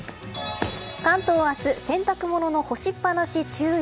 関東明日洗濯ものの干しっぱなし注意。